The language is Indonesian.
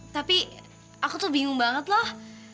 tapi aku tuh bingung banget loh